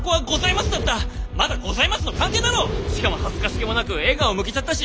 しかも恥ずかしげもなく笑顔向けちゃったし。